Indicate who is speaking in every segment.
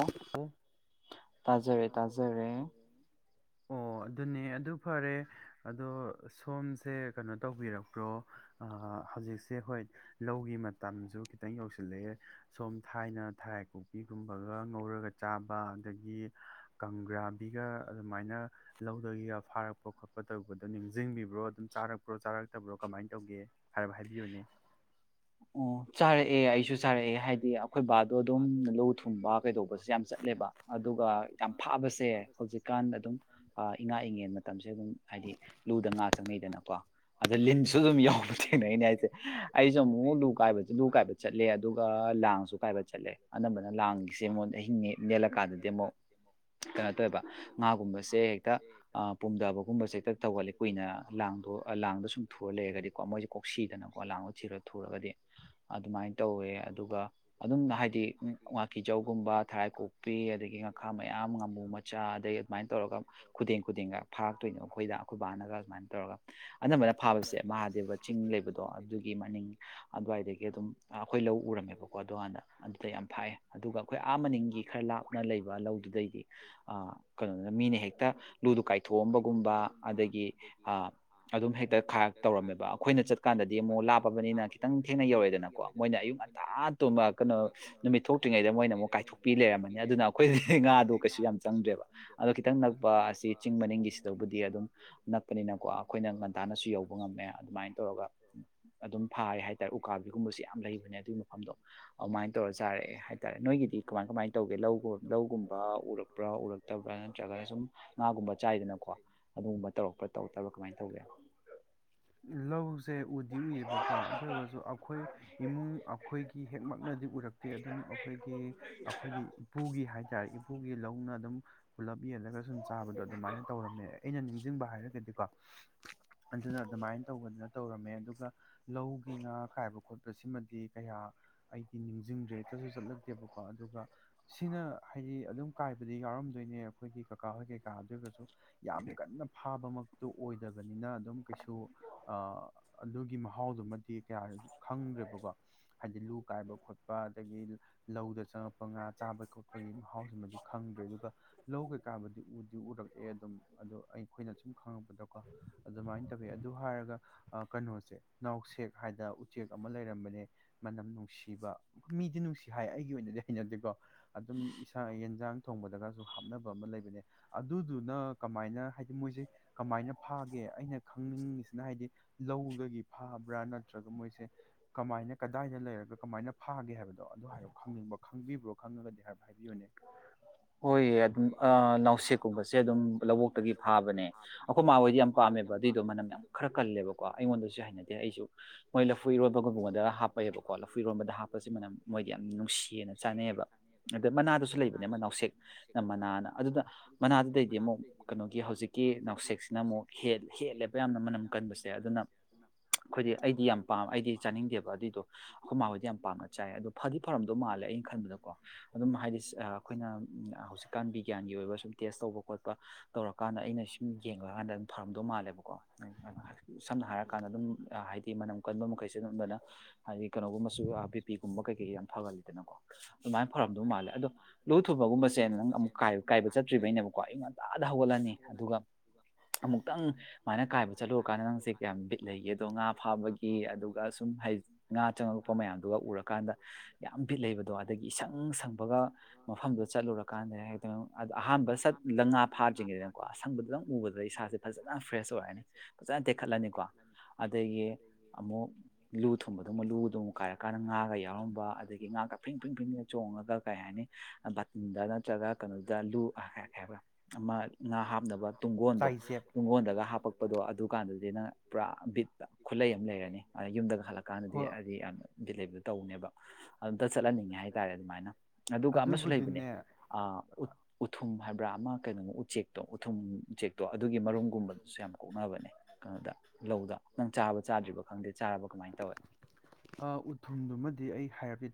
Speaker 1: ꯑꯣ ꯇꯖꯔꯦ ꯇꯥꯖꯔꯦ
Speaker 2: ꯑꯣ ꯑꯗꯨꯅꯦ ꯑꯗꯨ ꯐꯔꯦ ꯑꯗꯣ ꯁꯣꯝꯁꯦ ꯀꯩꯅꯣ ꯇꯧꯕꯤꯔꯛꯄ꯭ꯔꯣ ꯍꯧꯖꯤꯛꯁꯦ ꯍꯣꯏ ꯂꯧꯒꯤ ꯃꯇꯝꯁꯨ ꯈꯤꯇꯪ ꯌꯧꯁꯤꯜꯂꯛꯑꯦ ꯁꯣꯝ ꯊꯥꯏꯅ ꯊꯥꯏ ꯀꯣꯛꯄꯤꯒꯨꯝꯕ ꯐꯒ ꯉꯧꯔꯒ ꯆꯥꯕ ꯑꯗꯒꯤ ꯀꯪꯒ꯭ꯔꯥꯕꯤꯒ ꯑꯗꯨꯃꯥꯏꯅ ꯂꯧꯒ ꯐꯥꯔꯛꯄ ꯈꯣꯠꯄ ꯇꯧꯕꯗꯣ ꯅꯤꯡꯁꯤꯡꯕꯤꯕ꯭ꯔꯣ ꯑꯗꯨꯝ ꯆꯥꯔꯛꯄ꯭ꯔꯣ ꯆꯥꯔꯛꯇꯕ꯭ꯔꯣ ꯀꯃꯥꯏꯅ ꯇꯧꯒꯦ ꯍꯥꯏꯕ ꯍꯥꯏꯕꯤꯌꯨꯅꯦ
Speaker 1: ꯑꯣ ꯆꯥꯔꯛꯑꯦ ꯑꯩꯁꯨ ꯆꯥꯔꯛꯑꯦ ꯍꯥꯏꯗꯤ ꯑꯩꯈꯣꯏ ꯕꯥꯗꯣ ꯑꯗꯨꯝ ꯂꯨ ꯊꯨꯡꯕ ꯀꯩꯗꯧꯕꯁꯨ ꯌꯥꯝ ꯆꯠꯂꯦꯕ ꯑꯗꯨꯒ ꯌꯥꯝ ꯐꯥꯕꯁꯦ ꯍꯧꯖꯤꯛꯀꯥꯟ ꯑꯗꯨꯝ ꯏꯉꯥ ꯏꯉꯦꯟ ꯃꯇꯝꯁꯦ ꯑꯗꯨꯝ ꯍꯥꯏꯗꯤ ꯂꯨꯗ ꯉꯥ ꯆꯪꯅꯩꯗꯅꯀꯣ ꯑꯗ ꯂꯤꯟꯁꯨ ꯑꯗꯨꯝ ꯌꯥꯎꯕ ꯊꯦꯡꯅꯩꯅꯦ ꯍꯥꯏꯁꯦ ꯂꯨ ꯀꯥꯏꯕ ꯊꯨ ꯀꯥꯏꯕ ꯆꯠꯂꯦ ꯑꯗꯨꯒ ꯂꯥꯡꯁꯨ ꯀꯥꯏꯕ ꯆꯠꯂꯦ ꯑꯅꯝꯕꯅ ꯂꯥꯡꯒꯤꯁꯦ ꯑꯃꯨꯛ ꯑꯍꯤꯡꯉꯦ ꯅꯦꯜꯂꯀꯥꯟꯗꯗꯤ ꯑꯃꯨꯛ ꯀꯩꯅꯣ ꯇꯧꯋꯦꯕ ꯉꯥꯒꯨꯝꯕꯁꯦ ꯍꯦꯛꯇ ꯄꯨꯝꯊꯕꯒꯨꯝꯕꯁꯦ ꯍꯦꯛꯇ ꯇꯧꯒꯜꯂꯦ ꯀꯨꯏꯅ ꯂꯥꯡꯗꯣ ꯂꯥꯡꯗꯣ ꯁꯨꯝ ꯊꯨꯔ ꯂꯩꯔꯒꯗꯤꯀꯣ ꯃꯣꯏꯁꯦ ꯀꯣꯛꯁꯤꯗꯅꯀꯣ ꯂꯥꯡꯗꯣ ꯊꯤꯔ ꯑꯃꯗꯤ ꯑꯗꯨꯃꯥꯏꯅ ꯇꯧꯋꯦ ꯑꯗꯨꯒ ꯑꯗꯨꯝ ꯍꯥꯏꯗꯤ ꯉꯥꯀꯤꯖꯧꯒꯨꯝꯕ ꯊꯔꯥꯏ ꯀꯣꯛꯄꯤ ꯑꯗꯒꯤ ꯉꯥꯈꯥ ꯃꯌꯥꯝ ꯉꯥꯃꯨ ꯃꯆꯥ ꯑꯗꯗꯒꯤ ꯑꯗꯨꯃꯥꯏꯅ ꯇꯧꯔꯒ ꯈꯨꯗꯡ ꯈꯨꯗꯡꯒ ꯐꯥꯔꯛꯇꯣꯏꯅꯦ ꯑꯩꯈꯣꯏꯗ ꯑꯩꯈꯣꯏ ꯕꯥꯅꯒ ꯑꯗꯨꯃꯥꯏꯅ ꯇꯧꯔꯒ ꯑꯅꯝꯕꯅ ꯐꯥꯕꯁꯦ ꯃꯍꯥꯗꯦꯕ ꯆꯤꯡ ꯂꯩꯕꯗꯣ ꯑꯗꯨꯒꯤ ꯃꯅꯤꯡ [inaudible] ꯑ ꯑꯗꯨꯝ ꯑꯩꯈꯣꯏ ꯂꯧ ꯎꯔꯝꯃꯦꯕꯀꯣ ꯑꯗꯨꯀꯥꯟꯗ ꯑꯗꯨꯗ ꯌꯥꯝ ꯐꯥꯏꯑ ꯑꯗꯨꯒ ꯑꯩꯈꯣꯏ ꯑꯥ ꯃꯅꯤꯡꯒꯤ ꯈꯔ ꯂꯥꯞꯅ ꯂꯩꯕ ꯂꯧꯗꯨꯗꯩꯗꯤ ꯀꯩꯅꯣ ꯃꯤꯅ ꯍꯦꯛꯇ ꯂꯨꯗꯨ ꯀꯥꯏꯊꯣꯛꯑꯝꯕꯒꯨꯝꯕ ꯑꯗꯒꯤ ꯑ ꯑꯗꯨꯝ ꯍꯦꯛꯇ ꯈꯥꯔ ꯇꯧꯔꯝꯃꯦꯕ ꯑꯩꯈꯣꯏꯅ ꯆꯠꯀꯥꯟꯗꯗꯤ ꯑꯃꯨꯛ ꯂꯥꯞꯄꯕꯅꯤꯅ ꯈꯤꯪ ꯊ ꯃꯣꯏꯅ ꯑꯌꯨꯛ ꯉꯟꯇꯥ ꯇꯨꯝꯕ ꯀꯩꯅꯣ ꯅꯨꯃꯤꯠ ꯊꯣꯛꯇ꯭ꯔꯤꯉꯩꯗ ꯃꯣꯏꯅ ꯑꯃꯨꯛ ꯀꯥꯏꯊꯣꯛꯄꯤ ꯂꯩꯔꯝꯃꯅꯤ ꯑꯗꯨꯅ ꯑꯩꯈꯣꯏ ꯉꯥꯗꯣ ꯀꯩꯁꯨ ꯌꯥꯝ ꯆꯪꯗ꯭ꯔꯦꯕ ꯑꯗꯣ ꯈꯤꯇꯪ ꯅꯛꯄ ꯑꯁꯤ ꯆꯤꯡ ꯃꯅꯤꯡꯒꯤꯁꯤꯗꯕꯨꯗꯤ ꯑꯗꯨꯝ ꯅꯛꯄꯅꯤꯅꯀꯣ ꯑꯩꯈꯣꯏꯅ ꯉꯟꯇꯥꯅꯁꯨ ꯌꯧꯕ ꯉꯝꯃꯦ ꯑꯗꯨꯃꯥꯏꯅ ꯇꯧꯔꯒ ꯑꯗꯨꯝ ꯍꯥꯏ ꯍꯥꯏꯇꯥꯔ ꯎ ꯒꯨꯝꯕꯕꯁꯤ ꯌꯥꯝ ꯂꯩꯕꯅꯦ ꯑꯗꯨꯒꯤ ꯃꯐꯝꯗꯣ ꯑꯗꯨꯃꯥꯏꯅ ꯇꯧꯔ ꯆꯥꯔꯛꯑꯦ ꯍꯥꯏꯇꯥꯔꯦ ꯅꯣꯏꯒꯤꯗꯤ ꯀꯃꯥꯏ ꯀꯃꯥꯏꯅ ꯇꯧꯒꯦ ꯂꯧꯒꯨꯝꯕ ꯎꯔꯛꯄ꯭ꯔꯥ ꯎꯔꯛꯇꯕ꯭ꯔꯥ ꯅꯠꯇ꯭ꯔꯒꯅ ꯁꯨꯝ ꯉꯥꯒꯨꯝꯕ ꯆꯥꯏꯗꯅꯀꯣ ꯑꯗꯨꯒꯨꯝꯕ ꯇꯧꯔꯛꯄ꯭ꯔꯥ ꯇꯧꯔꯛꯇꯕ꯭ꯔꯥ ꯀꯃꯥꯏꯅ ꯇꯧꯒꯦ
Speaker 2: ꯁꯦ ꯎꯗꯤ ꯎꯏꯌꯦꯕꯀꯣ ꯑꯗꯨ ꯑꯣꯏꯔꯒꯁꯨ ꯑꯩꯈꯣꯏ ꯏꯃꯨꯡ ꯑꯩꯈꯣꯏꯒꯤ ꯍꯦꯛꯃꯛꯅꯗꯤ ꯎꯔꯛꯇꯦ ꯑꯗꯨꯝ ꯑꯩꯈꯣꯏꯒꯤ ꯑꯩꯈꯣꯏꯒꯤ ꯏꯄꯨꯒꯤ ꯍꯥꯏꯇꯥꯔꯦ ꯏꯄꯨꯒꯤ ꯂꯧꯅ ꯑꯗꯨꯝ ꯄꯨꯂ ꯄꯦꯜꯂꯒ ꯁꯨꯝ ꯆꯥꯕꯗꯣ ꯑꯗꯨꯃꯥꯏꯅ ꯇꯧꯔꯝꯃꯦ ꯑꯩꯅ ꯅꯤꯡꯁꯤꯡꯕ ꯍꯥꯏꯔꯒꯗꯤꯀꯣ [inaudible] ꯑꯗꯨꯅ ꯑꯗꯨꯃꯥꯏꯅ ꯇꯧꯕꯗꯅ ꯇꯧꯔꯝꯃꯦ ꯑꯗꯨꯒ ꯂꯧꯒꯤ ꯉꯍ ꯈꯣꯠꯄꯁꯤꯃꯗꯤ ꯀꯌꯥ ꯑꯩꯗꯤ ꯅꯤꯡꯁꯤꯡꯗ꯭ꯔꯦ ꯆꯠꯁꯨ ꯆꯠꯂꯛꯇꯦꯕꯀꯣ ꯑꯗꯨꯒ ꯁꯤꯅ ꯍꯥꯏꯗꯤ ꯑꯗꯨꯝ ꯀꯥꯏꯕꯗꯤ ꯌꯥꯎꯔꯝꯗꯣꯏꯅꯦ ꯑꯩꯈꯣꯏꯒꯤ ꯀꯀꯥ ꯍꯣꯏ ꯀꯩꯀꯥ ꯑꯗꯨ ꯑꯣꯏꯔꯒꯁꯨ ꯌꯥꯝ ꯀꯟꯅ ꯐꯥꯕ ꯇꯨ ꯑꯣꯏꯗꯕꯅꯤꯅ ꯑꯗꯨꯝ ꯀꯩꯁꯨ ꯑꯗꯨꯒꯤ ꯃꯍꯥꯎꯗꯨꯃꯗꯤ ꯀꯌꯥ ꯈꯪꯗ꯭ꯔꯦꯕꯀꯣ ꯍꯥꯏꯗꯤ ꯂꯨ ꯀꯥꯏꯕ ꯈꯣꯠꯄ ꯑꯗꯒꯤ ꯂꯧꯗ ꯆꯪꯉꯛꯄ ꯉꯥ ꯆꯥꯕ ꯈꯣꯠꯄꯒꯤ ꯃꯍꯥꯎꯁꯤꯃꯗꯤ ꯈꯪꯗ꯭ꯔꯦ ꯑꯗꯨꯒ ꯂꯧ ꯀꯩꯀꯥꯕꯨꯗꯤ ꯎꯗꯤ ꯎꯔꯛꯑꯦ ꯑꯗꯨꯝ ꯑꯗꯣ ꯑꯩꯈꯣꯏꯅ ꯁꯨꯝ ꯈꯪꯉꯛꯄꯗꯀꯣ ꯑꯗꯨꯃꯥꯏꯅ ꯇꯧꯋꯤ ꯑꯗꯨ ꯍꯥꯏꯔꯒ ꯀꯩꯅꯣꯁꯦ ꯅꯥꯎꯁꯦꯛ ꯍꯥꯏꯗ ꯎꯆꯦꯛ ꯑꯃ ꯂꯩꯔꯝꯕꯅꯦ ꯃꯅꯝ ꯅꯨꯡꯁꯤꯕ ꯃꯤꯗꯤ ꯅꯨꯡꯁꯤ ꯍꯥꯏ ꯑꯩꯒꯤ ꯑꯣꯏꯅꯗꯤ ꯍꯩꯅꯗꯦꯀꯣ ꯑꯗꯨꯝ ꯏꯁꯥ ꯌꯦꯟꯁꯥꯡ ꯊꯣꯡꯕꯗꯒꯁꯨ ꯍꯥꯞꯅꯕ ꯑꯃ ꯂꯩꯕꯅꯦ ꯑꯗꯨꯗꯨꯅ ꯀꯃꯥꯏꯅ ꯍꯥꯏꯗꯤ ꯃꯣꯏꯁꯦ ꯀꯃꯥꯏꯅ ꯐꯥꯒꯦ ꯑꯩꯅ ꯈꯪꯅꯤꯡꯉꯤꯁꯤꯅ ꯍꯥꯏꯗꯤ ꯂꯧꯗꯒꯤ ꯐꯥꯕ꯭ꯔꯥ ꯅꯠꯇ꯭ꯔꯒ ꯃꯣꯏꯁꯦ ꯀꯃꯥꯏꯅ ꯀꯗꯥꯏꯗ ꯂꯩꯔꯒ ꯀꯃꯥꯏꯅ ꯐꯥꯒꯦ ꯍꯥꯏꯕꯗꯣ ꯑꯗꯨ ꯍꯥꯏꯕꯣ ꯈꯪꯅꯤꯡꯕ ꯈꯪꯕꯤꯕ꯭ꯔꯣ ꯈꯪꯉꯒꯗꯤ ꯍꯥꯏꯕ
Speaker 1: ꯍꯣꯏ ꯑꯗꯨꯝ ꯅꯥꯎꯁꯤꯦꯛꯀꯨꯝꯕꯁꯦ ꯑꯗꯨꯝ ꯂꯧꯕꯣꯛꯇꯒꯤ ꯐꯥꯕꯅꯦ ꯑꯩꯈꯣꯏ ꯃꯥ ꯍꯣꯏꯗꯤ ꯌꯥꯝ ꯄꯥꯝꯃꯦꯕ ꯑꯗꯨꯏꯗꯣ ꯃꯅꯝ ꯌꯥꯝ ꯈꯔ ꯀꯜꯂꯦꯕꯀꯣ ꯑꯩꯉꯣꯟꯗꯁꯨ ꯍꯩꯅꯗꯦ ꯑꯩꯁꯨ ꯃꯣꯏ ꯂꯐꯨ ꯏꯔꯣꯕꯒꯨꯝꯕꯒꯣꯟꯗ ꯍꯥꯞꯄꯩꯦꯕꯀꯣ ꯂꯐꯨ ꯏꯔꯣꯟꯕꯗ ꯍꯥꯞꯄꯁ ꯃꯅꯝ ꯃꯣꯏꯗꯤ ꯌꯥꯝ ꯅꯨꯡꯁꯤꯌꯦꯅ ꯆꯥꯅꯩꯌꯦꯕ ꯑꯗ ꯃꯅꯥꯗꯁꯨ ꯂꯩꯕꯅꯦ ꯑꯃ ꯅꯥꯎꯁꯦꯛ ꯅ ꯃꯅꯥꯅ ꯑꯗꯨꯗ ꯃꯅꯥꯗꯨꯗꯩꯗꯤ ꯑꯃꯨꯛ ꯀꯩꯅꯣꯒꯤ ꯍꯧꯖꯤꯛꯀꯤ ꯅꯥꯎꯁꯦꯛꯁꯤꯅ ꯑꯃꯨꯛ ꯍꯦꯜꯂꯦꯕ ꯌꯥꯝꯅ ꯃꯅꯝ ꯀꯟꯕꯁꯦ ꯑꯗꯨꯅ ꯑꯩꯈꯣꯏꯗꯤ ꯑꯩꯗꯤ ꯌꯥꯝ ꯄꯥꯝ ꯑꯩꯗꯤ ꯆꯥꯅꯤꯡꯗꯦꯕ ꯑꯗꯨꯏꯗꯣ ꯑꯩꯈꯣꯏ ꯃꯥꯍꯣꯏꯗꯤ ꯌꯥꯝ ꯄꯥꯝꯅ ꯆꯥꯏ ꯑꯗꯣ ꯐꯗꯤ ꯐꯔꯝꯗꯧ ꯃꯥꯜꯂꯦ ꯑꯩꯅ ꯈꯟꯕꯗꯀꯣ ꯑꯗꯨꯝ ꯍꯥꯏꯗꯤ ꯑꯩꯈꯣꯏꯅ ꯍꯧꯖꯤꯛꯀꯥꯟ ꯕꯤꯒ꯭ꯌꯥꯟꯒꯤ ꯑꯣꯏꯕ ꯁꯨꯝ ꯇꯦꯁ ꯇꯧꯕ ꯈꯣꯠꯄ ꯇꯧꯔꯀꯥꯟꯗ ꯑꯩꯅ ꯁꯨꯝ ꯌꯦꯡꯀꯥꯟꯗ ꯑꯗꯨꯝ ꯐꯔꯝꯗꯧ ꯃꯥꯜꯂꯦꯕꯀꯣ ꯁꯝꯅ ꯍꯥꯏꯔ ꯀꯥꯟꯗ ꯑꯗꯨꯝ ꯍꯥꯏꯗꯤ ꯃꯅꯝ ꯀꯟꯕ ꯃꯈꯩꯁ ꯑꯗꯨꯝꯝꯕꯅ ꯍꯥꯏꯗꯤ ꯀꯩꯅꯣꯒꯨꯝꯕꯁꯨ ꯕꯤ ꯄꯤꯒꯨꯝꯕ ꯀꯩꯀꯩ ꯌꯥꯝ ꯐꯒꯜꯂꯤꯗꯅꯀꯣ ꯑꯗꯨꯃꯥꯏꯅ ꯐꯔꯝꯗꯧ ꯃꯥꯜꯂꯦ ꯑꯗꯣ ꯊꯨꯕꯒꯨꯝꯕꯁꯦ ꯅꯪ ꯑꯃꯨꯛ ꯀꯥꯏꯕ ꯆꯠꯇ꯭ꯔꯤꯕꯩꯅꯦꯕꯀꯣ ꯑꯌꯨ ꯉꯟꯇꯥꯗ ꯍꯧꯒꯠꯂꯅꯤ ꯑꯗꯨꯒ ꯑꯃꯨꯛꯇꯪ ꯑꯗꯨꯨꯥꯏꯅ ꯀꯥꯏꯕ ꯆꯠꯂꯨꯔꯀꯥꯟꯗ ꯅꯪꯁꯦ ꯀꯌꯥꯝ ꯕꯤꯠ ꯂꯩꯒꯦ ꯐꯥꯕꯒꯤ ꯑꯗꯨꯒ ꯁꯨꯝ ꯍꯥꯏꯗꯤ ꯉꯥ ꯆꯪꯉꯛꯄ ꯃꯌꯥꯝꯗꯨꯒ ꯎꯔꯀꯥꯟꯗ ꯌꯥꯝ ꯐꯤꯠ ꯂꯩꯕꯗꯣ ꯑꯗꯒꯤ ꯏꯁꯪ ꯁꯪꯕꯒ ꯃꯐꯝꯗꯨꯗ ꯆꯠꯂꯨꯔꯀꯥꯟꯗꯛꯇ ꯑꯍꯥꯟꯕ ꯁꯠ ꯂꯉꯥ ꯐꯥꯗ꯭ꯔꯤꯉꯩꯗꯅꯀꯣ ꯑꯁꯪꯕꯗꯗꯪ ꯎꯕꯗ ꯏꯁꯥꯁꯦ ꯐꯖꯅ ꯐ꯭ꯔꯦꯁ ꯑꯣꯏꯔꯅꯤ ꯐꯖꯅ ꯇꯦꯛꯈꯠꯂꯅꯤꯀꯣ ꯑꯃꯨꯛ ꯂꯨ ꯊꯨꯝꯕꯗꯨꯃ ꯂꯨꯗꯨ ꯑꯃꯨꯛ ꯀꯥꯏꯔꯀꯥꯟꯗ ꯉꯥꯒ ꯌꯥꯎꯔꯝꯕ ꯑꯗꯒꯤ ꯉꯥꯒ ꯐꯤꯡ ꯐꯤꯡ ꯐꯤꯡꯤꯡꯒ ꯆꯣꯡꯉꯒ ꯀꯩ ꯍꯥꯏꯅꯤ ꯕꯥꯇꯤꯟꯗ ꯅꯠꯇ꯭ꯔꯒ ꯀꯩꯅꯣꯗ ꯂꯨ ꯍꯥꯏꯥ ꯑꯃ ꯉꯥ ꯍꯥꯞꯅꯕ ꯇꯨꯡꯒꯣꯟꯜꯗꯣ ꯇꯨꯡꯒꯣꯟꯜꯗꯒ ꯍꯥꯞꯄꯛꯄꯗꯣ ꯑꯗꯨꯀꯥꯟꯗꯗꯤ ꯅꯪ ꯄꯨꯔꯥ ꯕꯤꯠꯇ ꯈꯨꯠꯂꯩ ꯑꯃ ꯂꯩꯔꯅꯤ ꯑꯗ ꯌꯨꯝꯗꯒ ꯍꯜꯂꯛꯀꯥꯟꯗꯗꯤ ꯍꯥꯏꯗꯤ ꯌꯥꯝꯅ ꯗꯤꯂꯤꯚꯔꯤ ꯇꯧ ꯇꯅꯦꯕ ꯑꯝꯇ ꯆꯠꯍꯟꯅꯤꯡꯉꯦ ꯍꯥꯏꯇꯥꯔꯦ ꯑꯗꯨꯃꯥꯏꯅ ꯑꯗꯨꯒ ꯑꯃꯁꯨ ꯂꯩꯕꯅꯦ ꯎꯊꯨꯝ ꯍꯥꯏꯕ ꯭ꯔ ꯑꯃ ꯀꯩꯅꯣ ꯎꯆꯦꯛ ꯎꯊꯨꯝ ꯎꯆꯦꯛꯇꯣ ꯑꯗꯨꯒꯤ ꯃꯔꯨꯝꯒꯨꯝꯕꯗꯨꯁꯨ ꯌꯥꯝ ꯀꯣꯛꯅꯕꯅꯦ ꯀꯩꯅꯣꯗ ꯂꯧꯗ ꯅꯪ ꯆꯥꯕ ꯆꯥꯗ꯭ꯔꯤꯕ ꯈꯪꯗꯦ ꯆꯥꯔꯕ ꯀꯃꯥꯏꯅ ꯇꯧꯋꯦ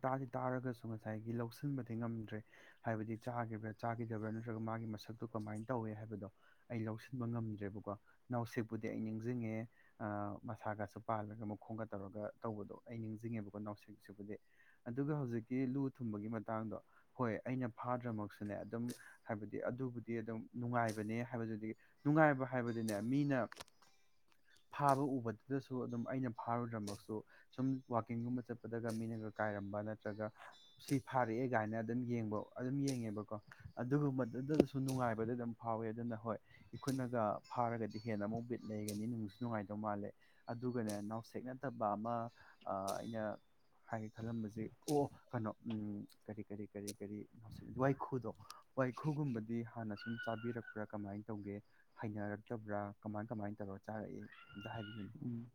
Speaker 2: ꯇꯥꯗꯤ ꯇꯥꯔꯒꯁꯨ ꯉꯁꯥꯏꯒꯤ ꯂꯧꯁꯤꯟꯕꯗꯤ ꯉꯝꯗ꯭ꯔꯦ ꯍꯥꯏꯕꯗꯤ ꯆꯥ꯭ꯔꯥ ꯆꯥꯈꯤꯗꯕ꯭ꯔꯥ ꯅꯠꯇ꯭ꯔꯒ ꯃꯥꯒꯤ ꯃꯁꯛꯇꯨ ꯀꯃꯥꯏꯅ ꯇꯧꯋꯦ ꯍꯥꯏꯕꯗꯣ ꯑꯩ ꯂꯧꯁꯤꯟꯕ ꯉꯝꯗ꯭ꯔꯦꯕꯀꯣ ꯅꯥꯎꯁꯦꯛꯄꯨꯗꯤ ꯑꯩ ꯅꯤꯡꯁꯤꯡꯉꯦ ꯃꯁꯥꯒꯁꯨ ꯄꯥꯜꯂꯒ ꯃꯈꯣꯡꯒ ꯇꯧꯔꯒ ꯇꯧꯕꯗꯣ ꯑꯩ ꯅꯤꯡꯁꯤꯡꯉꯦꯕꯀꯣ ꯅꯥꯎꯁꯦꯛꯁꯤꯕꯨꯗꯤ ꯑꯗꯨꯒ ꯍꯧꯖꯤꯛꯇꯤ ꯂꯨ ꯊꯨꯝꯕꯒꯤ ꯃꯇꯥꯡꯗꯣ ꯍꯣꯏ ꯑꯩꯅ ꯐꯥꯗ꯭ꯔꯃꯛꯁꯨꯅꯦ ꯑꯗꯨꯝ ꯍꯥꯏꯕꯗꯤ ꯑꯗꯨꯕꯨꯗꯤ ꯑꯗꯨꯝ ꯅꯨꯡꯉꯥꯏꯕꯅꯦ ꯍꯥꯏꯕꯗꯨꯗꯤ ꯅꯨꯡꯉꯥꯏꯕ ꯍꯥꯏꯕꯗꯨꯅꯦ ꯃꯤꯅ ꯐꯥꯕ ꯎꯕꯗꯨꯗꯁꯨ ꯑꯗꯨꯝ ꯑꯩꯅ ꯐꯥꯔꯨꯗ꯭ꯔꯃꯁꯨ ꯁꯨꯝ ꯋꯥꯋꯀꯤꯡꯒꯨꯝꯕ ꯆꯠꯄꯗꯒ ꯃꯤꯅꯒ ꯀꯥꯏꯔꯝꯕ ꯅꯠꯇ꯭ꯔꯒ ꯁꯤ ꯐꯥꯔꯛꯑꯦ ꯀꯥꯏꯅ ꯑꯗꯨꯝ ꯌꯦꯡꯕ ꯑꯗꯨꯝ ꯌꯦꯡꯉꯦꯕꯀꯣ ꯑꯗꯨꯒꯨꯝꯕꯗꯨꯗꯁꯨ ꯅꯨꯡꯉꯥꯏꯕ ꯑꯗꯨꯝ ꯐꯥꯎꯋ ꯑꯗꯨꯅ ꯍꯣꯏ ꯏꯈꯨꯠꯅꯒ ꯐꯥꯔꯒꯗꯤ ꯍꯦꯟꯅ ꯑꯃꯨꯛ ꯕꯤꯠ ꯂꯩꯒꯅꯤ ꯅꯨꯡꯁꯨ ꯅꯨꯡꯉꯥꯏꯗꯧ ꯃꯥꯜꯂꯦ ꯑꯗꯨꯒꯅꯦ ꯅꯥꯎꯁꯦꯛ ꯅꯠꯇꯕ ꯑꯃ ꯑꯩꯅ ꯍꯥꯏꯒꯦ ꯈꯜꯂꯝꯕꯁꯦ ꯑꯣ ꯀꯩꯅꯣ ꯀꯔꯤ ꯀꯔꯤ ꯀꯔꯤ ꯀꯔꯤ ꯅꯥꯎꯁ ꯋꯥꯏꯈꯨꯗꯣ ꯋꯥꯏꯈꯨꯒꯨꯝꯕꯗꯤ ꯍꯥꯟꯅ ꯁꯨꯝ ꯆꯥꯕꯤꯔꯛꯄ꯭ꯔꯥ ꯀꯃꯥꯏꯅ ꯇꯧꯒꯦ ꯍꯩꯅꯔꯛꯇꯕ꯭ꯔꯥ ꯀꯃꯥꯏ ꯀꯃꯥꯏꯅ ꯇꯧꯔ ꯆꯥꯔꯛꯏ
Speaker 1: ꯎꯝ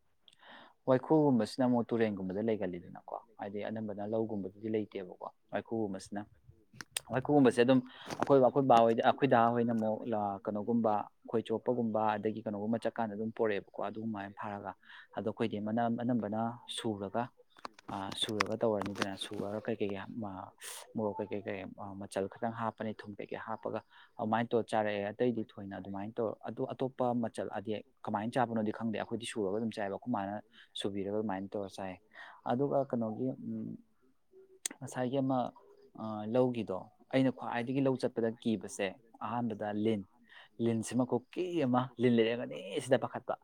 Speaker 1: ꯋꯥꯏꯈꯨꯒꯨꯝꯕꯁꯤ ꯁꯤꯅ ꯑꯃꯨꯛ ꯇꯨꯔꯦꯟꯒꯨꯝꯕꯗ ꯂꯩꯒꯜꯂꯤꯗꯅꯀꯣ ꯍꯥꯏꯗꯤ ꯑꯅꯝꯕꯅ ꯂꯧꯒꯨꯝꯕꯗꯨꯗꯤ ꯂꯩꯇꯦꯕꯀꯣ ꯋꯥꯏꯈꯨꯒꯨꯝꯕꯁꯤꯅ ꯋꯥꯏꯈꯨꯒꯨꯝꯕꯁꯦ ꯑꯗꯨꯝ ꯑꯩꯈꯣꯏ ꯑꯩꯈꯣꯏ ꯕꯥ ꯍꯣꯏꯗ ꯑꯩꯈꯣꯏꯗ ꯍꯣꯏꯅ ꯑꯃꯨꯛ ꯀꯩꯅꯣꯒꯨꯝꯕ ꯈꯣꯏ ꯆꯣꯞꯄꯒꯨꯝꯕ ꯑꯗꯒꯤ ꯀꯩꯅꯣꯒꯨꯝꯕ ꯆꯠꯀꯥꯟꯗ ꯑꯗꯨꯝ ꯄꯣꯔꯛꯑꯕꯀꯣ ꯑꯗꯨꯒꯨꯝꯥꯏ ꯊꯥꯔꯒ ꯑꯗꯣ ꯑꯩꯈꯣꯏꯗꯤ ꯃꯅꯝ ꯑꯅꯝꯕꯅ ꯁꯨꯔꯒ ꯁꯨꯔꯒ ꯇꯧꯔꯅꯤ ꯑꯗꯨꯅ ꯁꯨꯔꯔ ꯀꯩꯀꯩꯀꯩ ꯃꯣꯔꯣꯛ ꯀꯩꯀꯩ ꯀꯩ ꯃꯆꯜ ꯈꯇꯪ ꯍꯥꯞꯄꯅꯤ ꯊꯨꯝ ꯀꯩꯀꯩ ꯍꯥꯞꯄꯒ ꯑꯗꯨꯃꯥꯏꯅ ꯇꯧꯔ ꯆꯥꯔꯛꯑꯦ ꯑꯇꯩꯗꯤ ꯊꯣꯏꯅ ꯑꯗꯨꯃꯥꯏꯅ ꯇꯧꯔ ꯑꯗꯨꯗꯣ ꯑꯇꯣꯞꯄ ꯃꯆꯜ ꯑꯗꯤ ꯀꯃꯥꯏꯅ ꯆꯥꯕꯅꯣꯗꯤ ꯈꯪꯕ ꯑꯩꯈꯣꯏꯗꯤ ꯁꯨꯔꯒ ꯑꯗꯨꯝ ꯆꯥꯏꯕ ꯑꯩꯈꯣꯏ ꯃꯥꯅ ꯀꯤꯕꯤꯔꯒ ꯑꯗꯨꯃꯥꯏꯅ ꯇꯧꯔ ꯆꯥꯏ ꯑꯗꯨꯒ ꯀꯩꯅꯣꯒꯤ ꯎꯝ ꯉꯁꯥꯏꯒꯤ ꯑꯃ ꯂꯧꯒꯤꯗꯣ ꯑꯩꯅ ꯈ꯭ꯋꯥꯏꯗꯒꯤ ꯂꯧ ꯆꯠꯄꯗ ꯀꯤꯕꯁꯦ ꯑꯍꯥꯟꯕꯗ ꯂꯤꯟ ꯂꯤꯟꯁꯤꯃ ꯀꯨꯀꯤ ꯑꯃ ꯂꯤꯟ ꯂꯩꯔꯒꯅꯤ ꯁꯤꯗ ꯄꯥꯈꯠꯄ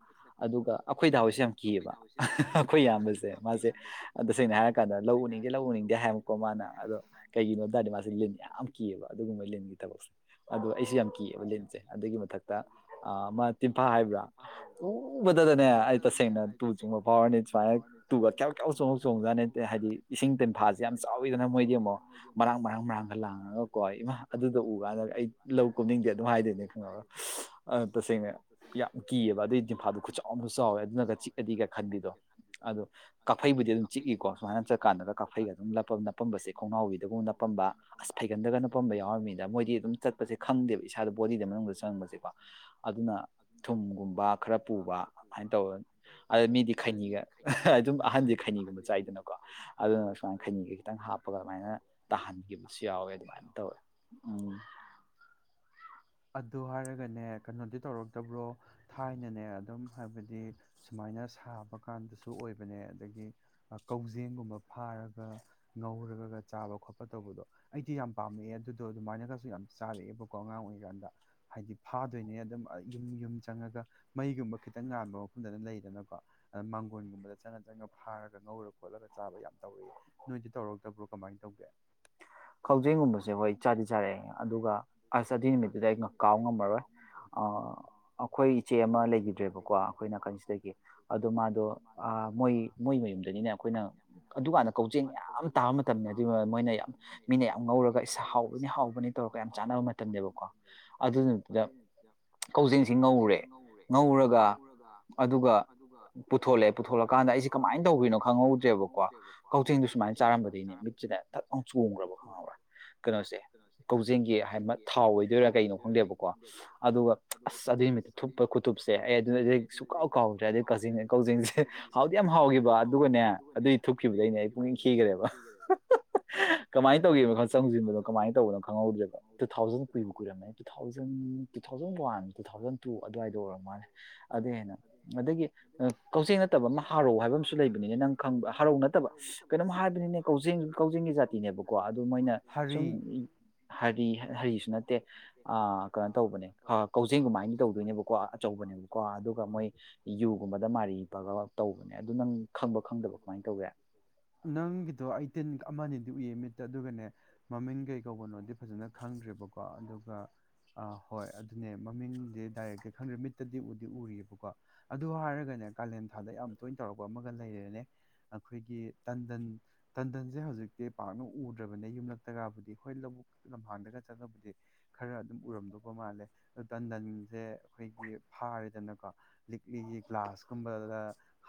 Speaker 1: ꯑꯗꯨꯒ ꯑꯩꯈꯣꯏꯗꯗꯥ ꯍꯣꯏꯁꯦ ꯌꯥꯝ ꯀꯤꯑꯕ ꯑꯩꯈꯣꯏ ꯏꯌꯥꯝꯕꯁꯦ ꯃꯥꯁꯦ ꯇꯁꯦꯡꯅ ꯍꯥꯏꯔꯀꯥꯟꯗ ꯂꯧ ꯎꯅꯤꯡꯗꯦ ꯂꯧ ꯎꯅꯤꯡꯗꯦ ꯍꯥꯏꯔꯕꯀꯣ ꯃꯥꯅ ꯑꯗꯣ ꯀꯩꯒꯤꯅꯣꯕ ꯇꯔꯗꯤ ꯃꯥꯁꯦ ꯂꯤꯟ ꯌꯥꯝ ꯀꯤꯌꯦꯕ ꯑꯗꯨꯒꯨꯝꯕ ꯂꯤꯟꯒꯤ ꯊꯕꯛꯁꯦ ꯑꯗꯣ ꯑꯩꯁꯨ ꯌꯥꯝ ꯀꯤꯌꯦꯕ ꯂꯤꯟꯁꯦ ꯑꯗꯨꯒꯤ ꯃꯊꯛꯇ ꯃꯥ ꯇꯤꯝꯐꯥ ꯍꯥꯏꯕ꯭ꯔꯥ ꯎꯕꯗꯗꯅꯦ ꯑꯩ ꯇꯁꯦꯡꯅ ꯇꯨ ꯆꯨꯡꯕ ꯐꯥꯎ ꯑꯣꯔꯅꯤꯠ ꯁꯨꯃꯥꯏꯅ ꯇꯨꯒ ꯀ ꯀꯌꯥ ꯆꯣꯡꯍꯧ ꯆꯣꯡꯖꯥ ꯅꯠꯇꯦ ꯍꯥꯏꯗꯤ ꯏꯁꯤꯡ ꯇꯤꯟꯐꯥꯁꯦ ꯌꯥꯝ ꯆꯥꯎꯋꯤꯗꯅ ꯃꯣꯏꯗꯤ ꯑꯃꯨꯛ ꯃꯔꯥꯡ ꯃꯔꯥꯡ ꯃꯔꯥꯡꯒ ꯂꯥꯡꯉꯒꯀꯣ ꯏꯃꯥ ꯑꯗꯨꯗ ꯎ ꯀꯥꯟꯗ ꯑꯩ ꯂꯧ ꯀꯨꯞꯅꯤꯡꯗꯦ ꯑꯗꯨꯝ ꯍꯥꯏꯗꯣꯏꯅꯦ ꯈꯪꯍꯧꯔ ꯇꯁꯦꯡꯅ ꯌꯥꯝ ꯀꯤꯑꯕ ꯑꯗꯨꯒꯤ ꯇꯤꯟꯐꯥꯗꯨ ꯆꯥꯎꯁꯨ ꯆꯥꯎꯋꯦ ꯑꯗꯨꯅꯒ ꯆꯤꯛꯑꯗꯤꯒ ꯈꯟ ꯑꯗꯣ ꯀꯥꯐꯩꯕꯨꯗꯤ ꯑꯗꯨꯝ ꯆꯤꯛꯏꯀꯣ ꯁꯨꯃꯥꯏꯅ ꯆꯠꯀꯥꯟꯗꯒ ꯀꯥꯐꯩꯒ ꯑꯗꯨꯝꯞꯄ ꯅꯞꯄꯝꯕꯁꯦ ꯈꯣꯡꯅꯥꯎꯕꯤꯗꯒꯨꯝ ꯅꯞꯄꯝꯕ ꯑꯁ ꯐꯩꯒꯟꯗꯒ ꯅꯞꯄꯝꯕ ꯌꯥꯎꯔꯝꯅꯤꯅ ꯃꯣꯏꯗꯤ ꯑꯗꯨꯝ ꯆꯠꯄꯁꯦ ꯈꯪꯗꯦꯕ ꯏꯁꯥꯗ ꯕꯣꯗꯤꯗ ꯃꯅꯨꯡꯗ ꯆꯪꯕꯁꯦꯀꯣ ꯑꯗꯨꯅ ꯊꯨꯝꯒꯨꯝꯕ ꯈꯔ ꯄꯨꯕ ꯑꯗꯨꯃꯥꯏꯅ ꯇꯧꯔ ꯑꯗ ꯃꯤꯗꯤ ꯈꯩꯅꯤꯒ ꯑꯗꯨꯝ ꯑꯍꯟꯁꯦ ꯈꯩꯅꯤꯒꯨꯝꯕ ꯆꯥꯏꯗꯅꯀꯣ ꯑꯗꯨꯅ ꯁꯨꯃꯥꯏꯅ ꯈꯩꯅꯤꯒ ꯈꯤꯇꯪ ꯍꯥꯞꯄꯒ ꯑꯗꯨꯃꯥꯏꯅ ꯇꯥꯍꯟꯈꯤꯕꯁꯨ ꯌꯥꯎꯋꯦ ꯑꯗꯨꯃꯥꯏꯅ ꯇꯧꯋꯦ ꯎꯝ
Speaker 2: ꯑꯗꯨ ꯍꯥꯏꯔꯒꯅꯦ ꯀꯩꯅꯣꯗꯤ ꯇꯧꯔꯛꯇꯕ꯭ꯔꯣ ꯊꯥꯏꯅꯅꯦ ꯑꯗꯨꯝ ꯍꯥꯏꯕꯗꯤ ꯁꯨꯃꯥꯏꯅ ꯁꯥꯕ ꯀꯥꯟꯗꯁꯨ ꯑꯣꯏꯕꯅꯦ ꯑꯗꯒꯤ ꯀꯧꯖꯦꯡꯒꯨꯝꯕ ꯐꯥꯔꯒ ꯉꯧꯔꯒ ꯆꯥꯕ ꯈꯣꯠꯄ ꯇꯧꯕꯗꯣ ꯑꯩꯗꯤ ꯌꯥꯝ ꯄꯥꯝꯃꯛꯑꯦ ꯑꯗꯨꯗꯣ ꯑꯗꯨꯃꯥꯏꯅꯒꯁꯨ ꯌꯥꯝ ꯆꯥꯔꯛꯑꯦꯕꯀꯣ ꯑꯉꯥꯡ ꯑꯣꯏꯔꯤꯀꯥꯟꯗ ꯍꯥꯏꯗꯤ ꯐꯥꯗꯣꯏꯅꯦ ꯑꯗꯨꯝ ꯌꯨꯝ ꯌꯨꯝ ꯆꯪꯉꯒ ꯃꯩꯒꯨꯝꯕ ꯈꯤꯇꯪ ꯉꯥꯟꯕ ꯃꯐꯝꯗ ꯑꯗꯨꯝ ꯂꯩꯗꯅꯀꯣ ꯑꯗ ꯃꯥꯡꯒꯣꯟꯒꯨꯝꯕꯗ ꯆꯪꯉ ꯆꯪꯉ ꯐꯥꯔꯒ ꯉꯧꯔ ꯈꯣꯠꯂꯒ ꯆꯥꯕ ꯌꯥꯝ ꯇꯧꯔꯛꯏꯦ ꯅꯣꯏꯗꯤ ꯇꯧꯔꯛꯇꯕ꯭ꯔꯣ ꯀꯃꯥꯏꯅ ꯇꯧꯒꯦ
Speaker 1: ꯈꯛꯖꯤꯡꯒꯨꯝꯕꯁꯦ ꯍꯣꯏ ꯆꯥꯗꯤ ꯆꯥꯔꯛꯑꯦ ꯑꯗꯨꯒ ꯑꯁ ꯆꯥꯗꯤ ꯅꯨꯃꯤꯠꯇ ꯑꯗꯨꯗ ꯑꯩꯩꯅ ꯀꯥꯎ ꯉꯝꯃꯔꯣꯏ ꯑꯩꯈꯣꯏ ꯏꯆꯦ ꯑꯃ ꯂꯩꯈꯤꯗ꯭ꯔꯦꯕꯀꯣ ꯑꯩꯈꯣꯏ ꯅꯥꯀꯟꯁꯤꯗꯒꯤ ꯑꯗꯣ ꯃꯥꯗꯣ ꯃꯣꯏ ꯃꯣꯏ ꯃꯌꯨꯝꯗꯅꯤꯅꯦ ꯑꯩꯈꯣꯏꯅ ꯑꯗꯨꯀꯥꯟꯗ ꯀꯧꯖꯦꯡ ꯃꯌꯥꯝ ꯇꯥꯕ ꯃꯇꯝꯅꯤ ꯑꯗꯨꯒꯤ ꯃꯣꯏꯅ ꯌꯥꯝ ꯃꯤꯅ ꯌꯥꯝ ꯉꯧꯔꯒ ꯏꯁꯥ ꯍꯥꯎꯕꯅꯤ ꯍꯥꯎꯕꯅꯤ ꯇꯧꯔꯒ ꯌꯥꯝ ꯆꯥꯟꯅꯕ ꯃꯇꯝꯅꯦꯕꯀꯣ ꯑꯗꯨꯗꯨꯗꯨꯗ ꯀꯥꯎꯖꯤꯡꯁꯤ ꯉꯧꯔꯦ ꯉꯧꯔꯒ ꯑꯗꯨꯒ ꯄꯨꯊꯣꯛꯂꯛꯑꯦ ꯄꯨꯊꯣꯛꯂꯀꯥꯟꯗ ꯑꯩꯁꯦ ꯀꯃꯥꯏꯅ ꯇꯧꯔꯤꯅꯣ ꯈꯪꯍꯧꯗ꯭ꯔꯦꯕꯀꯣ ꯀꯥꯎꯖꯤꯡꯗꯨꯣ ꯁꯨꯃꯥꯏꯅ ꯆꯥꯔꯝꯕꯗꯒꯤꯩꯅꯦ ꯃꯤꯠꯁꯤꯗ ꯊꯛ ꯑꯃꯥꯎ ꯆꯣꯡꯈ꯭ꯔꯕ ꯍꯣꯏ ꯀꯩꯅꯣꯁꯦ ꯀꯧꯖꯦꯡꯒꯤ ꯍꯥꯏ ꯊꯥꯎ ꯑꯣꯏ ꯀꯗꯣꯏꯔꯥ ꯀꯩꯅꯣ ꯈꯪꯗꯦꯕꯀꯣ ꯑꯗꯨꯒ ꯑꯁ ꯑꯗꯨꯒꯤ ꯅꯨꯃꯤꯠꯇ ꯊꯨꯞꯄ ꯈꯨꯇꯨꯞꯁꯦ ꯑꯩ ꯑꯗꯨ ꯁꯨꯛꯀꯥꯎ ꯀꯥꯎꯗ꯭ꯔꯦ ꯑꯗꯨꯗꯩ ꯀꯛꯖꯤꯡ ꯀꯛꯖꯤꯡꯁꯦ ꯍꯥꯎꯗꯤ ꯌꯥꯝ ꯍꯥꯎꯈꯤꯕ ꯑꯗꯨꯒꯅꯦ ꯑꯗꯨꯏ ꯊꯨꯞꯈꯤꯕꯗꯩꯅꯦ ꯑꯩ ꯄꯨꯛꯅꯤꯡ ꯈꯤꯈ꯭ꯔꯦꯕ ꯀꯃꯥꯏꯅ ꯇꯧꯒꯦ ꯃꯈꯜ ꯆꯪꯁꯤꯟꯕꯅꯣ ꯀꯃꯥꯏ ꯇꯧꯕꯅꯣ ꯈꯪꯍꯧꯗꯦꯕ ꯇꯨ ꯊꯥꯎꯖꯟ ꯀꯨꯏ ꯀꯨꯏꯔꯝ two thousand two thousand one two thousand two ꯑꯗꯨꯋꯥꯏꯗ ꯑꯣꯏꯔꯝ ꯃꯥꯜꯂꯦ ꯑꯗꯨꯗꯩ ꯍꯦꯟꯅ ꯑꯗꯒꯤ ꯀꯥꯎꯖꯦꯡ ꯅꯠꯇꯕ ꯑꯃ ꯍꯥꯔꯧ ꯍꯥꯏꯕ ꯑꯃꯁꯨ ꯂꯩꯕꯅꯤꯅꯦ ꯅꯪ ꯈꯪꯕ ꯍꯔꯧ ꯅꯠꯇꯕ ꯀꯩꯅꯣꯝ ꯍꯥꯏꯕꯅꯤꯅꯦ ꯀꯖꯁꯨ ꯀꯥꯎꯖꯦꯡꯒꯤ ꯖꯥꯇꯤꯅꯦꯕꯀꯣ ꯀꯣ ꯑꯗꯨ ꯃꯣꯏꯅ ꯁꯨꯝ ꯍꯥꯏꯗꯤ ꯀꯔꯤꯁꯨ ꯅꯠꯇꯦ ꯀꯩꯅꯣ ꯇꯧꯕꯅꯦ ꯀꯧꯖꯤꯡꯒꯨꯝꯃꯥꯏꯅꯗꯤ ꯇꯧꯗꯣꯏꯅꯦꯕꯀꯣ ꯑꯆꯧꯕꯅꯦꯕꯀꯣ ꯑꯗꯨꯒ ꯃꯣꯏ ꯌꯨꯒꯨꯝꯕꯗ ꯃꯥꯔꯤ ꯄꯒ ꯇꯧꯕꯅꯦ ꯑꯗꯨ ꯅꯪ ꯈꯪꯕ ꯈꯪꯗꯕ ꯀꯃꯥꯏꯅ ꯇꯧꯒꯦ
Speaker 2: ꯎꯏ ꯃꯤꯠꯇ ꯑꯗꯨꯒꯅꯦ ꯃꯃꯤꯡ ꯀꯩ ꯀꯧꯕꯅꯣꯗꯤ ꯐꯖꯅ ꯈꯪꯗ꯭ꯔꯤꯕ ꯀꯣ ꯑꯗꯨꯒ ꯍꯣꯏ ꯑꯗꯨꯅꯦ ꯃꯃꯤꯡꯗꯤꯦ ꯗꯥꯏꯔꯦꯛꯇꯤ ꯈꯪꯗ꯭ꯔꯦ ꯃꯤꯠꯇꯗꯤ ꯎꯗꯤ ꯎꯔꯤꯑꯕꯀꯣ ꯑꯗꯨ ꯍꯥꯏꯔꯒꯅꯦ ꯀꯥꯂꯦꯟ ꯊꯥꯗ ꯌꯥꯝ ꯇꯣꯏꯅ ꯇꯧꯔꯛꯄ ꯑꯃꯒ ꯂꯩꯔꯦꯅꯦ ꯑꯩꯈꯣꯏꯒꯤ ꯇꯟꯗꯟ ꯇꯟꯗꯟꯁꯦ ꯍꯧꯖꯤꯛꯇꯤ ꯄꯥꯛꯅ ꯎꯗ꯭ꯔꯕꯅꯦ ꯌꯨꯝꯂꯛꯇꯒꯕꯨꯗꯤ ꯑꯩꯈꯣꯏ ꯂꯧꯕꯨꯛ ꯂꯝꯍꯥꯡꯗꯒ ꯆꯪꯉꯕꯨꯗꯤ ꯈꯔ ꯑꯗꯨꯝ ꯎꯔꯝꯗꯧꯕ ꯃꯥꯜꯂꯦ ꯑꯗꯨ ꯇꯟꯗꯟꯁꯦ ꯑꯩꯈꯣꯏꯒꯤ ꯐꯥꯔꯦꯗꯅꯀꯣ ꯂꯤꯛꯂꯤꯒꯤ ꯒ꯭ꯂꯥꯁꯀꯨꯝꯕꯗ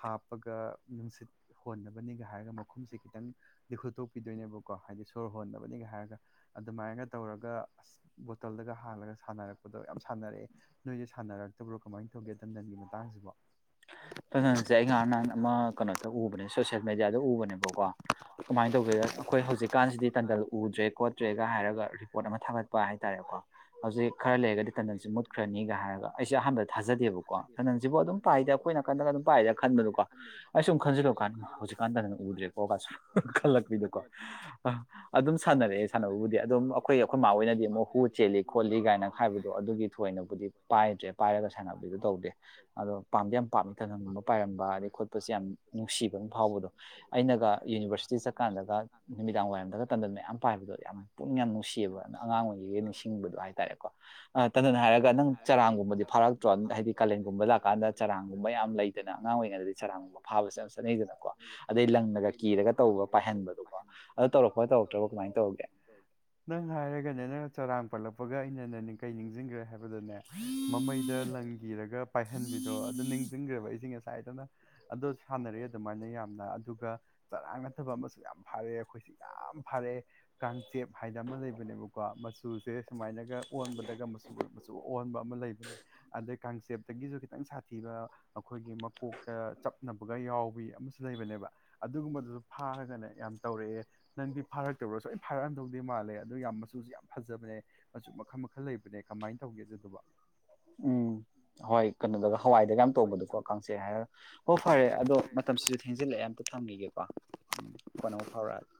Speaker 2: ꯍꯥꯞꯄꯒ ꯅꯨꯡꯁꯤꯠ ꯍꯣꯟꯅꯕꯅꯤꯒ ꯍꯥꯏꯔꯒ ꯃꯈꯨꯝꯁꯦ ꯈꯤꯇꯪ ꯂꯤꯈꯨꯠꯇꯣꯛꯄꯤꯗꯣꯏꯅꯦꯕꯀꯣ ꯍꯥꯏꯗꯤ ꯁꯣꯔ ꯍꯣꯟꯅꯕꯅꯤꯒ ꯍꯥꯏꯔꯒ ꯑꯗꯨꯃꯥꯏꯅꯒ ꯇꯧꯔꯒ ꯑꯁ ꯕꯣꯇꯜꯗꯒ ꯍꯥꯡꯂꯒ ꯁꯥꯟꯅꯔꯛꯄꯗꯣ ꯌꯥꯝ ꯁꯥꯟꯅꯔꯛꯑꯦ ꯅꯣꯏꯁꯦ ꯁꯥꯟꯅꯔꯛꯇꯕ꯭ꯔꯣ ꯀꯃꯥꯏꯅ ꯇꯧꯒꯦ ꯗꯟꯗꯟꯒꯤ ꯃꯇꯥꯡꯁꯤꯕꯣ
Speaker 1: ꯐꯁꯦ ꯑꯩꯍꯥꯟ ꯅꯍꯥꯟ ꯑꯃ ꯀꯩꯅꯣꯗ ꯎꯕꯅꯦ ꯁꯣꯁ ꯃꯦꯗꯤꯌꯥ ꯗ ꯎꯕꯅꯦꯕꯀꯣ ꯀꯃꯥꯏꯅ ꯇꯧꯒꯦꯗ ꯑꯈꯣꯏ ꯍꯧꯖꯤꯛꯀꯥꯟꯁꯤꯗꯤ ꯇꯟꯗꯜ ꯎꯗ꯭ꯔꯦ ꯈꯣꯠꯇ꯭ꯔꯦꯒ ꯍꯥꯏꯔꯒ ꯔꯤꯄꯣꯔꯠ ꯑꯃ ꯊꯥꯒꯠꯄ ꯍꯥꯏꯇꯥꯥꯔꯦꯀꯣ ꯍꯧꯖꯤꯛ ꯈꯔ ꯂꯩꯔꯒꯗꯤ ꯇꯟꯗꯟꯁꯦ ꯃꯨꯠꯈ꯭ꯔꯅꯤꯒ ꯍꯥꯏꯔꯒ ꯑꯩꯁꯦ ꯑꯍꯥꯟꯕꯗ ꯊꯥꯖꯗꯦꯕꯀꯣ ꯇꯟꯗꯟꯁꯤꯕꯨ ꯑꯗꯨꯝ ꯄꯥꯏꯗ ꯑꯈꯣꯏꯅ ꯀꯥꯟꯗꯅ ꯑꯗꯨꯝ ꯄꯥꯏꯔꯤꯔꯥ ꯈꯟꯕꯗꯨ ꯀꯣ ꯑꯩ ꯁꯨꯝ ꯈꯟꯖꯂꯛ ꯀꯥꯟ ꯍꯧꯛꯀꯥꯟ ꯇꯟꯗꯟ ꯎꯗ꯭ꯔꯦꯀꯣ ꯒ ꯁꯨꯝ ꯍꯍ ꯈꯜꯂꯛꯄꯤꯗꯣꯀꯣ ꯑ ꯑꯗꯨꯝ ꯁꯥꯟꯅꯔꯛꯑꯦ ꯁꯥꯟꯅꯕꯕꯨꯗꯤ ꯑꯗꯨꯝ ꯑꯩꯈꯣꯏ ꯑꯩꯈꯣꯏ ꯃꯥꯥ ꯍꯣꯏꯅꯗꯤ ꯑꯃꯨꯛ ꯍꯨ ꯆꯦꯜꯂꯤ ꯈꯣꯠꯂꯤ ꯀꯥꯏꯅ ꯍꯥꯏꯕꯗꯣ ꯑꯗꯨꯒꯤ ꯊꯣꯏꯅꯕꯨꯗꯤ ꯄꯥꯏꯗ꯭ꯔꯦ ꯄꯥꯏꯔꯒ ꯁꯥꯟꯅꯕꯤꯗꯨ ꯇꯧꯗꯦ ꯑꯗꯣ ꯄꯥꯝꯗꯤ ꯌꯥꯝ ꯄꯥꯝꯃꯤ ꯇꯟꯗꯟꯒꯨꯝꯕ ꯄꯥꯏꯔꯝꯕ ꯑꯗꯩ ꯈꯣꯠꯄꯁꯦ ꯌꯥꯝ ꯅꯨꯡ ꯅꯨꯡꯁꯤꯕ ꯑꯃ ꯐꯥꯎꯕꯗꯣ ꯑꯩꯅꯒ ꯌꯨꯅꯤꯚꯔꯁꯤꯇꯤ ꯆꯠꯀꯥꯟꯗꯒ ꯅꯨꯃꯤꯗꯥꯡ ꯋꯥꯏꯔꯝꯗꯒ ꯇꯟꯗꯟ ꯃꯌꯥꯝ ꯄꯥꯏꯕꯗꯣ ꯌꯥꯝ ꯄꯨꯛꯅꯤꯡ ꯌꯥꯝ ꯅꯨꯡꯁꯤꯌꯦꯕ ꯅꯪ ꯑꯉꯥꯡ ꯑꯣꯏꯔꯤꯉꯩꯩ ꯅꯤꯡꯁꯤꯡꯕꯗꯣ ꯍꯥꯏ ꯇꯥꯔꯦꯀꯣ ꯑ ꯇꯟꯗꯟ ꯍꯥꯏꯔꯒ ꯅꯪ ꯆꯔꯥꯡꯒꯨꯝꯕꯗꯤ ꯐꯥꯔꯛꯇ꯭ꯔꯣ ꯍꯥꯏꯗꯤ ꯀꯥꯂꯦꯟꯒꯨꯝꯕ ꯂꯥꯛꯀꯥꯟꯗ ꯆꯔꯥꯡ ꯒꯨꯝꯕ ꯌꯥꯝ ꯂꯩꯗꯅ ꯑꯉꯥꯡ ꯑꯣꯏꯔꯤꯉꯩꯗꯗꯤ ꯆꯔꯥꯒꯨꯝꯕ ꯐꯥꯕꯁꯦ ꯌꯥꯝ ꯆꯠꯅꯩꯗꯅꯀꯣ
Speaker 2: ꯑꯗꯩ ꯂꯪꯅꯒ ꯀꯤꯔꯒ ꯇꯧꯕ ꯄꯥꯏꯍꯟꯕꯗꯣ ꯑꯗꯣ ꯇꯧꯔꯛꯄ꯭ꯔꯣ ꯇꯧꯔꯛꯇ꯭ꯔꯕ ꯀꯃꯥꯏ ꯇꯧꯔꯒꯦ ꯅꯪ ꯍꯥꯏꯔꯒꯅꯦ ꯅꯪꯅ ꯆꯔꯥꯡ ꯄꯜꯂꯛꯄꯒ ꯑꯩꯅ ꯅ ꯀꯩ ꯅꯤꯡꯁꯤꯡꯒ꯭ꯔꯦ ꯍꯥꯏ ꯑꯗꯨꯗꯅꯦ ꯃꯃꯩꯗ ꯂꯪ ꯀꯤꯔꯒ ꯄꯥꯏꯍꯟꯕꯤꯗꯣ ꯑꯗꯨ ꯅꯤꯡꯖꯤꯡꯒ꯭ꯔꯦꯕ ꯑꯩꯖꯦ ꯉ ꯁꯥꯏꯗꯅ ꯑꯗꯣ ꯁꯥꯟꯅꯔꯛꯑꯦ ꯑꯗꯨꯃꯥꯏꯅ ꯌꯥꯝꯅ ꯑꯗꯨꯒ ꯆꯔꯥꯡ ꯅꯠꯇꯕ ꯑꯃꯁꯨ ꯌꯥꯝ ꯐꯥꯔꯛꯑꯦ ꯑꯈꯣꯏꯁꯤ ꯌꯥꯝ ꯐꯥꯔꯛꯑꯦ ꯀꯥꯡꯆꯦꯞ ꯍꯥꯏꯗ ꯑꯃ ꯂꯩꯕꯅꯦꯕꯀꯣ ꯃꯆꯨꯁꯦ ꯁꯨꯃꯥꯏꯅꯒ ꯑꯣꯟꯕꯗꯒ ꯃꯆꯨ ꯃꯆꯨ ꯑꯣꯟꯕ ꯑꯃ ꯂꯩꯕꯅꯦ ꯑꯗꯩ ꯀꯥꯡꯆꯦꯞ ꯇꯒꯤꯖꯨ ꯈꯤꯇꯪ ꯁꯥꯊꯤꯕ ꯑꯈꯣꯏꯒꯤ ꯃꯀꯣꯛꯇ ꯆꯞꯅꯕꯒ ꯌꯥꯎꯕꯤ ꯑꯃꯁꯨ ꯂꯩꯕꯅꯦꯕ ꯑꯗꯨꯒꯨꯝꯕꯗꯨꯖꯨ ꯐꯥꯔꯒꯅꯦ ꯌꯥꯝ ꯇꯧꯔꯛꯑꯦ ꯅꯪꯗꯤ ꯐꯥꯔꯛꯇꯕ꯭ꯔꯣ ꯁꯣꯏ ꯐꯥꯔꯛꯑꯝꯗꯧꯗꯤ ꯃꯥꯜꯂꯦ ꯑꯗꯨ ꯌꯥꯝ ꯃꯆꯨꯁꯨ ꯌꯥꯝ ꯐꯖꯕꯅꯦ ꯃꯆꯨ ꯃꯈꯜ ꯃꯈꯜ ꯂꯩꯕꯅꯦ ꯀꯃꯥꯏꯅ ꯇꯧꯒꯦ ꯑꯗꯨꯗꯨꯕꯣ
Speaker 1: ꯎꯝ ꯍꯣꯏ ꯀꯩꯅꯣꯗꯒ ꯍꯋꯥꯏꯗꯒ ꯌꯥꯝ ꯇꯣꯡꯕꯗꯣꯀꯣ ꯀꯥꯡꯆꯦꯛ ꯍꯥꯏꯔꯒ ꯍꯣꯏ ꯐꯔꯦ ꯑꯗꯣ ꯃꯇꯝꯁꯤꯁꯨ ꯊꯦꯡꯖꯤꯜꯂꯛꯑꯦ ꯑꯝꯇ ꯊꯝꯈꯤꯒꯦꯀꯣ ꯎꯝ ꯀꯣꯟꯅ ꯑꯃꯨꯛ ꯐꯥꯎꯔꯛꯑꯒꯦ